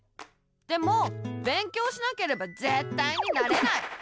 でも勉強しなければぜったいになれない！